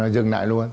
dừng lại luôn